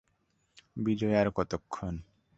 বিজয় আর কতক্ষণ?